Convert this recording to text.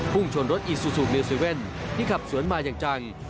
พุ่งชนรถอิซูซูมิว๗ที่ขับสวนมาจัง